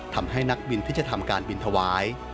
ทำให้นักบินที่จะทำการบินถวาย